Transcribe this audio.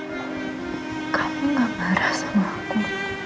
paham ini ada voice